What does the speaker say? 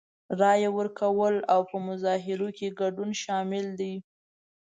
رای ورکول او په مظاهرو کې ګډون شامل دي.